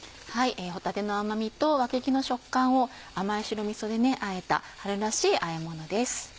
帆立の甘みとわけぎの食感を甘い白みそであえた春らしいあえ物です。